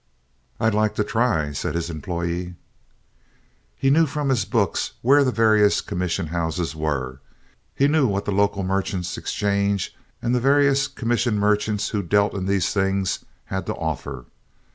"I'd like to try," said his employee. He knew from his books where the various commission houses were. He knew what the local merchants' exchange, and the various commission merchants who dealt in these things, had to offer.